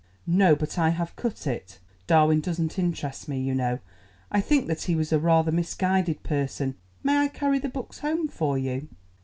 "No, but I have cut it. Darwin doesn't interest me, you know. I think that he was a rather misguided person. May I carry the books home for you?"